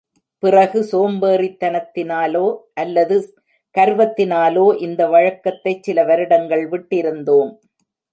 பிறகு சோம்பேறித்தனத்தினாலோ அல்லது கர்வத்தினாலோ இந்த வழக்கத்தைச் சில வருடங்கள் விட்டிருந்தோம்.